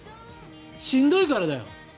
しんどいからだよ。